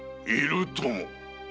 いるとも。